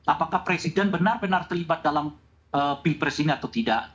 apakah presiden benar benar terlibat dalam pil presiden atau tidak